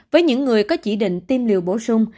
với những người có chỉ định tiêm liều bổ sung